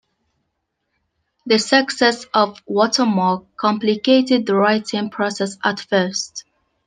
The success of "Watermark" complicated the writing process at first.